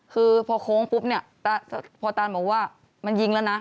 คือพอโค้งปุ๊บเนี่ยพอตานบอกว่ามันยิงแล้วนะ